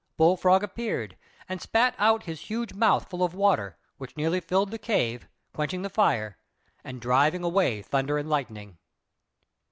Bull frog appeared, and spat out his huge mouth full of water, which nearly filled the cave, quenching the fire, and driving away Thunder and Lightning.